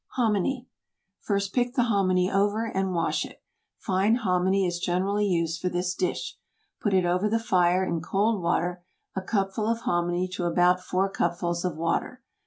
HOMINY. First pick the hominy over and wash it. Fine hominy is generally used for this dish. Put it over the fire in cold water, a cupful of hominy to about four cupfuls of water.